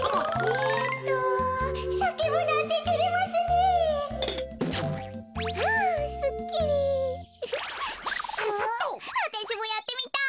わたしもやってみたい。